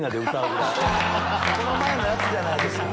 この前のやつじゃないですか。